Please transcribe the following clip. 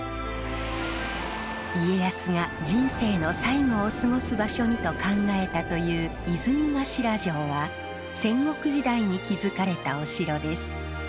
家康が人生の最後を過ごす場所にと考えたという泉頭城は戦国時代に築かれたお城です。